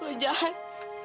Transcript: lo jahat ben